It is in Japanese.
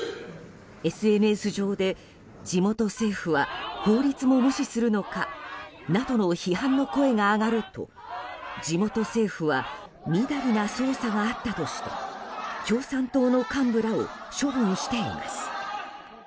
ＳＮＳ上で地元政府は法律も無視するのかなどの批判の声が上がると地元政府はみだりな操作があったとして共産党の幹部らを処分しています。